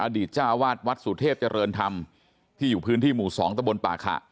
อดีตจ้าวาดวัดสูทเทพเจริญธรรมที่อยู่พื้นที่หมู่สองตะบลปากค่ะ